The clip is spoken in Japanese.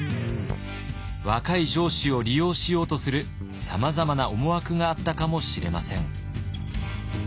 若い城主を利用しようとするさまざまな思惑があったかもしれません。